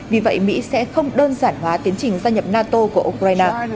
vì vậy mỹ sẽ không đơn giản hóa tiến trình gia nhập nato của ukraine